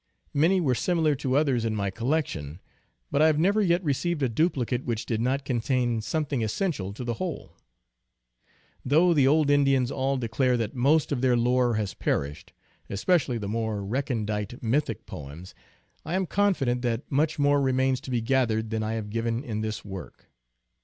Many were similar to others in my collection, but I have never yet received a duplicate which did not contain something essential to the whole. Though the old Indians all declare that most of their lore has perished, especially tha more recondite mythic poems, I am confident that much more remains to be gathered than I have given in this work.